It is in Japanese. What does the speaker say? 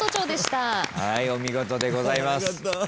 お見事でございます。